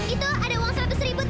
itu ada uang seratus ribu